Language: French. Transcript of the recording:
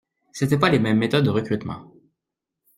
C’était pas les mêmes méthodes de recrutement